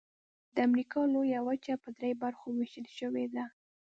د امریکا لویه وچه په درې برخو ویشل شوې ده.